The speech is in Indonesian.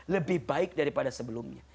lebih baik daripada sebelumnya